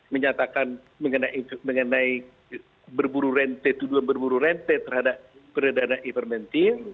menyatakan mengenai berburu rente tuduhan berburu rente terhadap perdana evergentil